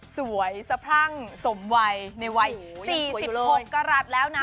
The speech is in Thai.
สวยสะพรั่งสมวัยในวัย๔๖กรัฐแล้วนะ